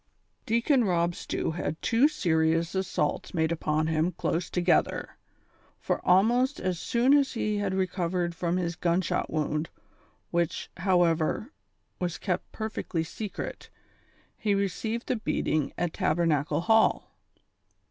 lEACON ROB STEW had two serious assaults made upon him close together, for almost as soon as he had recovered from his gunshot wound, which, however, was kept perfectly secret, he received the beating at Tabernacle Hall.